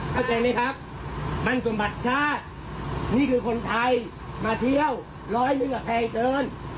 เข้าใจไหมครับมันสมบัติชาตินี่คือคนไทยมาเที่ยวร้อยหนึ่งอ่ะแพงเกิน